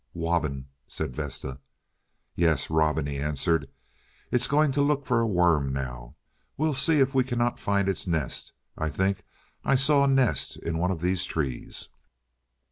"Wobin," said Vesta. "Yes, robin," he answered. "It is going to look for a worm now. We will see if we cannot find its nest. I think I saw a nest in one of these trees."